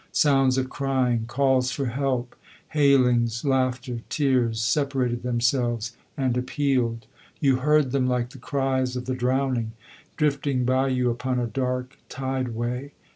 Sounds of crying, calls for help, hailings, laughter, tears, separated themselves and appealed. You heard them, like the cries of the drowning, drifting by you upon a dark tide way.